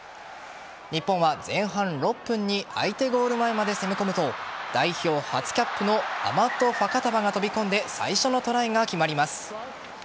日本は、前半６分に相手ゴール前まで攻め込むと代表初キャップのアマト・ファカタヴァが飛び込んで最初のトライが決まります。